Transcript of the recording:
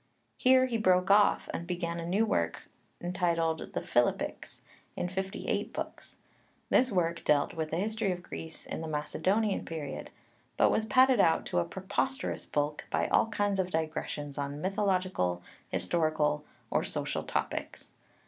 Here he broke off, and began a new work entitled The Philippics, in fifty eight books. This work dealt with the history of Greece in the Macedonian period, but was padded out to a preposterous bulk by all kinds of digressions on mythological, historical, or social topics.